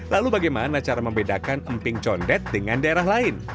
lalu bagaimana cara membedakan emping condet dengan daerah lain